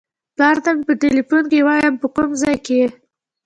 پلار ته مې په ټیلیفون کې وایم په کوم ځای کې یې.